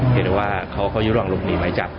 เห็นว่าเขายุ่นหลังลุกหนีไหมจับ